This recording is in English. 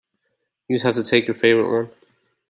You'd have to take your favorite one.